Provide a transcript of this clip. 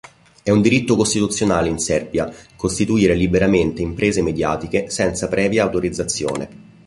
È un diritto costituzionale in Serbia costituire liberamente imprese mediatiche senza previa autorizzazione.